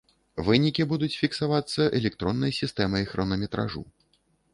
Вынікі будуць фіксавацца электроннай сістэмай хронаметражу.